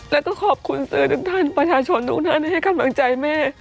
แล้วก็ขอบคุณสื่อทุกท่านประชาชนทุกท่านให้กำลังใจแม่